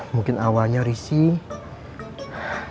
mungkin awalnya risih